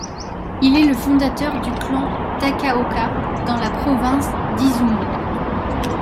Il est le fondateur du clan Takaoka dans la province d'Izumo.